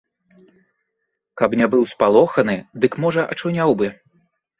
Каб не быў спалоханы, дык можа ачуняў бы.